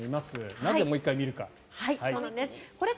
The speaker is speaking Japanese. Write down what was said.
なぜ、もう１回見るか。